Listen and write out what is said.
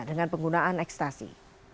dengan penggunaan ekstasi